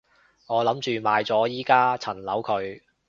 我諗住賣咗依加層樓佢